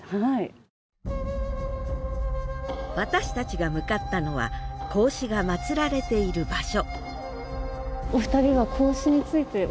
私たちが向かったのは孔子が祀られている場所